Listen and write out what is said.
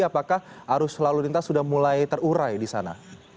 apakah arus lalu lintas sudah mulai terurai di sana